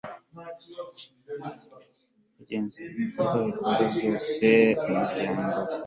kugenzura ibikorwa byose by umuryango